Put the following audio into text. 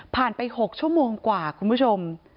ไป๖ชั่วโมงกว่าคุณผู้ชม